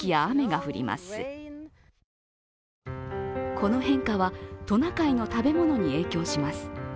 この変化はトナカイの食べ物に影響します。